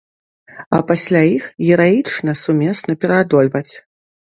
А пасля іх гераічна сумесна пераадольваць.